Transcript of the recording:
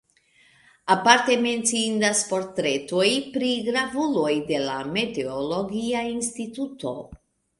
Aparte menciindas portretoj pri gravuloj de la meteologia instituto.